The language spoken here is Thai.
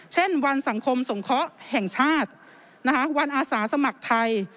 เช่นวันสังคมสงเคราะห์แห่งชาติวันอาสาสมัครไทย